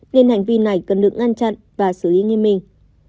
nên hành vi này cần được ngăn chặn và xử lý nghiêm minh